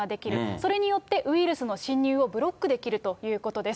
それによってウイルスの侵入をブロックできるということです。